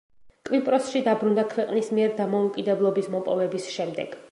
კვიპროსში დაბრუნდა ქვეყნის მიერ დამოუკიდებლობის მოპოვების შემდეგ.